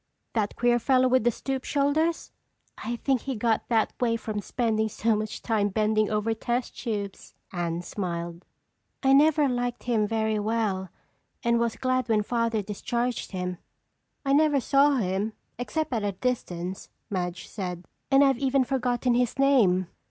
"That queer fellow with the stoop shoulders?" "I think he got that way from spending so much time bending over test tubes," Anne smiled. "I never liked him very well and was glad when Father discharged him." "I never saw him except at a distance," Madge said, "and I've even forgotten his name.